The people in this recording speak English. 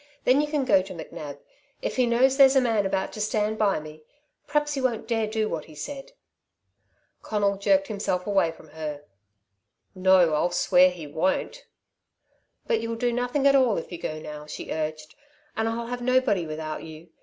Then you can go to McNab. If he knows there's a man about to stand by me, p'raps he won't dare to do what he said." Conal jerked himself away from her. "No, I'll swear he won't!" "But you'll do nothing at all if you go now," she urged, "and I'll have nobody without you.